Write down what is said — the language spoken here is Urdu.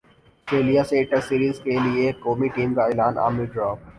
سٹریلیا سے ٹیسٹ سیریز کیلئے قومی ٹیم کا اعلان عامر ڈراپ